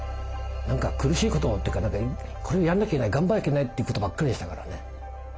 何か苦しいことというかこれをやんなきゃいけない頑張らなきゃいけないということばっかりでしたからね。